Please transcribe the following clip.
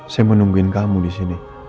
saya mau nungguin kamu disini